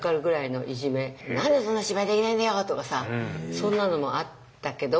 そんなのもあったけど昔。